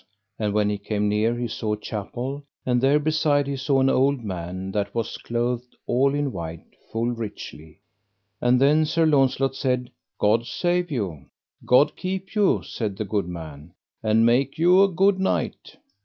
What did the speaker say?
And when he came near he saw a chapel, and there beside he saw an old man that was clothed all in white full richly; and then Sir Launcelot said: God save you. God keep you, said the good man, and make you a good knight.